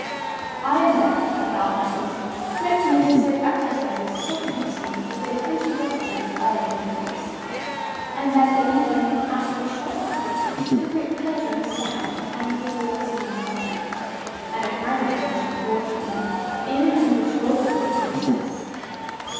I endeavored, without notes, to make the necessary exercises so interesting that the attention of the pupils always increased; and that they even, after a short time, took great pleasure in a sound, tender, full, singing tone; an acquirement which, unfortunately, even many virtuosos do not possess.